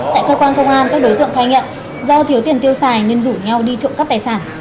tại cơ quan công an các đối tượng khai nhận do thiếu tiền tiêu xài nên rủ nhau đi trộm cắp tài sản